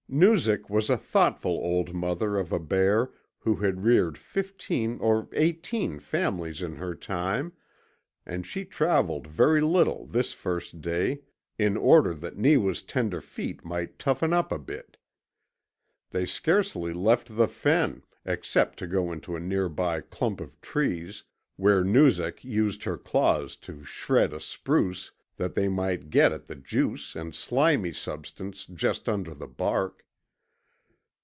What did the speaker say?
Noozak was a thoughtful old mother of a bear who had reared fifteen or eighteen families in her time, and she travelled very little this first day in order that Neewa's tender feet might toughen up a bit. They scarcely left the fen, except to go into a nearby clump of trees where Noozak used her claws to shred a spruce that they might get at the juice and slimy substance just under the bark.